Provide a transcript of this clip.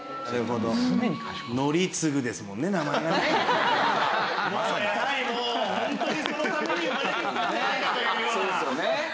そうですよね。